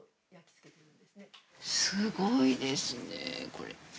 すごいですね、これ。